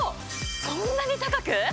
そんなに高く？